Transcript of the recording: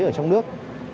ở trong nước